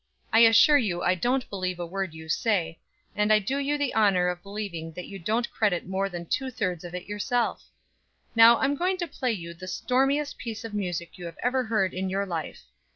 I assure you I don't believe a word you say, and I do you the honor of believing that you don't credit more than two thirds of it yourself. Now I'm going to play you the stormiest piece of music you ever heard in your life."